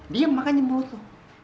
diem makanin buat lo